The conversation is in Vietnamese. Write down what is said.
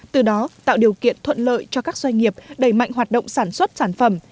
từ đó tạo điều kiện thuận lợi cho các doanh nghiệp đẩy mạnh hoạt động sản xuất sản phẩm